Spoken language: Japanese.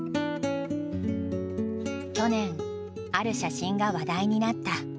去年ある写真が話題になった。